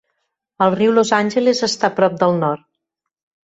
El riu Los Angeles està prop del nord.